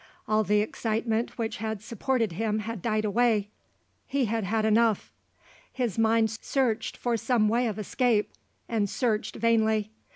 All the excitement which had supported him had died away; he had had enough. His mind searched for some way of escape, and searched vainly.